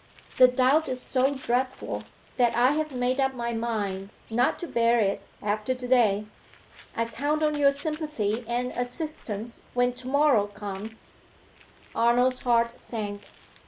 The doubt is so dreadful that I have made up my mind not to bear it after to day. I count on your sympathy and assistance when to morrow comes!" Arnold's heart sank.